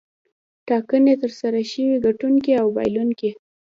ټاکنې ترسره شوې ګټونکی او بایلونکی.